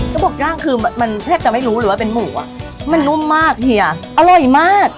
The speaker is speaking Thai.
เขาบอกย่างคือมันแทบจะไม่รู้เลยว่าเป็นหมูอ่ะมันนุ่มมากเฮียอร่อยมาก